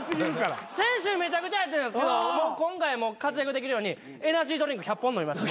先週めちゃくちゃやったんですけど今回活躍できるようにエナジードリンク１００本飲みました。